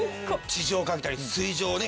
地上を駆けたり水上をね